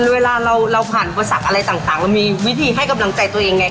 เวลาเราผ่านอุปสรรคอะไรต่างเรามีวิธีให้กำลังใจตัวเองไง